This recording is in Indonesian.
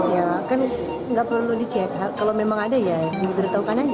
ya kan nggak perlu dicek kalau memang ada ya diberitahukan aja